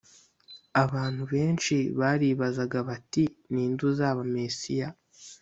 abantu benshi baribazaga bati ni nde uzaba Mesiya